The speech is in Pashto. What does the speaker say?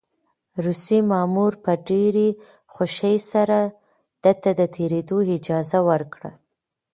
روسي مامور په ډېرې خوښۍ سره ده ته د تېرېدو اجازه ورکړه.